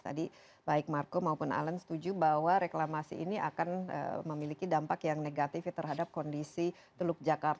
tadi baik marco maupun alan setuju bahwa reklamasi ini akan memiliki dampak yang negatif terhadap kondisi teluk jakarta